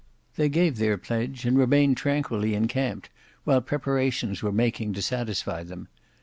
They gave their pledge and remained tranquilly encamped while preparations were making to satisfy them.